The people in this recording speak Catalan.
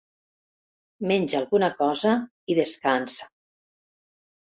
Menja alguna cosa i descansa.